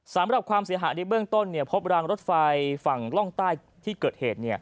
สำหรับความเสียหายในเบื้องต้นพบรางรถไฟฝั่งล่องใต้ที่เกิดเหตุ